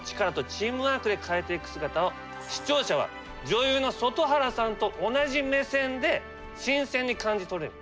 チームワークで変えていく姿を視聴者は女優の外原さんと同じ目線で新鮮に感じ取れる。